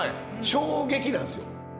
衝撃なんですよ。